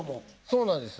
そうなんです。